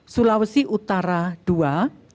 sulawesi utara ii